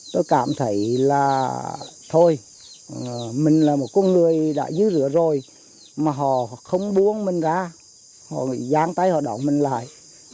tôi cảm thấy là thôi mình là một con người đã giữ rửa rồi mà họ không buông mình ra họ dán tay họ đọng mình lại